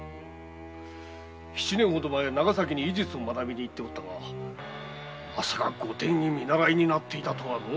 七年ほど前長崎に医術を学びにいっておったがまさかご典医見習いになっていたとはのう。